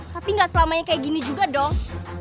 tapi gak selamanya kayak gini juga dong